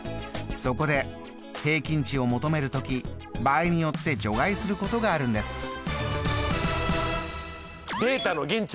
そこで平均値を求める時場合によって除外することがあるんです。